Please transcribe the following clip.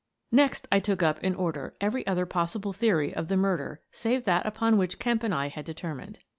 Next I took up, in order, every other possible theory of the murder save that upon which Kemp and I had determined.